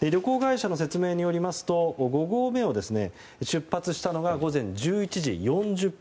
旅行会社の説明によりますと５合目を出発したのが午前１１時４０分。